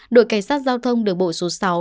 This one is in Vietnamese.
đội cảnh sát giao thông đường bộ số sáu